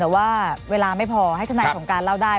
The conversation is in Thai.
แต่ว่าเวลาไม่พอให้ทนายสงการเล่าได้